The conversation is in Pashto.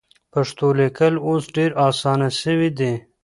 پښتو لیکل اوس ډېر اسانه سوي دي.